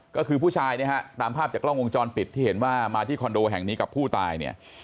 ก็คือผู้ชายเนี่ยฮะตามภาพจากกล้องวงจรปิดที่เห็นว่ามาที่คอนโดแห่งนี้กับผู้ตายเนี่ย